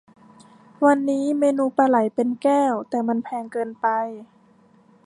วันนี้เมนูปลาไหลเป็นแก้ว แต่มันแพงเกินไป